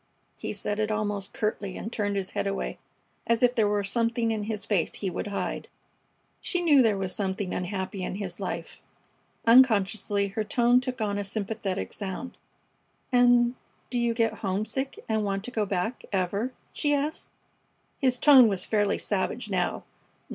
He said it almost curtly and turned his head away, as if there were something in his face he would hide. She knew there was something unhappy in his life. Unconsciously her tone took on a sympathetic sound. "And do you get homesick and want to go back, ever?" she asked. His tone was fairly savage now.